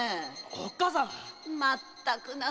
おっかさん。